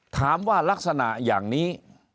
ถามว่ารักษณะอย่างนี้